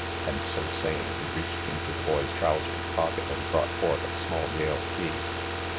And, so saying, he reached into the boy's trousers pocket and brought forth a small Yale key.